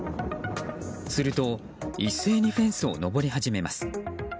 すると一斉にフェンスを登り始めます。